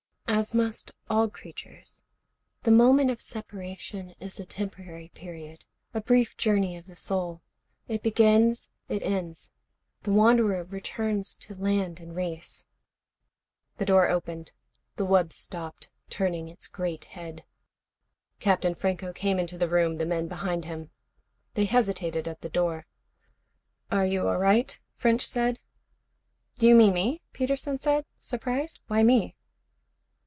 "As must all creatures. The moment of separation is a temporary period, a brief journey of the soul. It begins, it ends. The wanderer returns to land and race...." The door opened. The wub stopped, turning its great head. Captain Franco came into the room, the men behind him. They hesitated at the door. "Are you all right?" French said. "Do you mean me?" Peterson said, surprised. "Why me?"